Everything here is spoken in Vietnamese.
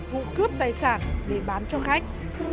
vụ cướp tài sản để bán cho khách